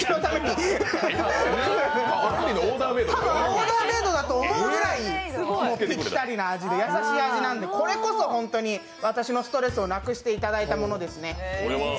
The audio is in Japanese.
オーダーメードと思うぐらい優しい味なのでこれこそ、本当に私のストレスをなくしていただいたものですね。